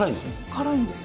辛いんです。